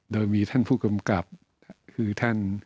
โดยมีท่านผู้กำกับคือท่าน